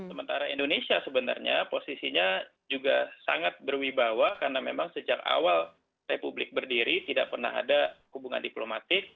sementara indonesia sebenarnya posisinya juga sangat berwibawa karena memang sejak awal republik berdiri tidak pernah ada hubungan diplomatik